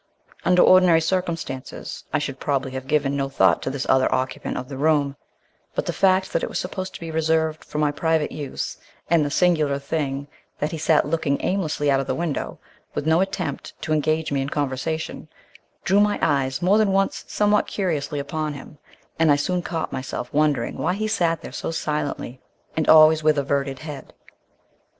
Under ordinary circumstances I should probably have given no thought to this other occupant of the room; but the fact that it was supposed to be reserved for my private use, and the singular thing that he sat looking aimlessly out of the window, with no attempt to engage me in conversation, drew my eyes more than once somewhat curiously upon him, and I soon caught myself wondering why he sat there so silently, and always with averted head.